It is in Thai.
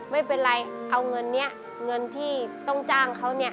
ไม่เป็นไรเอาเงินนี้เงินที่ต้องจ้างเขาเนี่ย